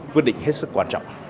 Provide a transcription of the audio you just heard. quyết định hết sức quan trọng